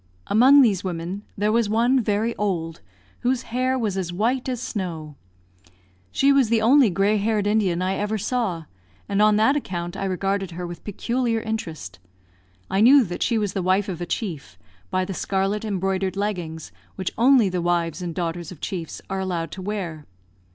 Among these women there was one very old, whose hair was as white as snow. She was the only gray haired Indian I ever saw, and on that account I regarded her with peculiar interest. I knew that she was the wife of a chief, by the scarlet embroidered leggings, which only the wives and daughters of chiefs are allowed to wear.